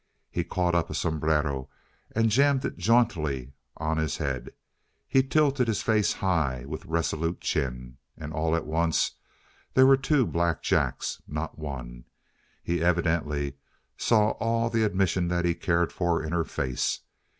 He caught up a sombrero and jammed it jauntily on his head. He tilted his face high, with resolute chin. And all at once there were two Black Jacks, not one. He evidently saw all the admission that he cared for in her face.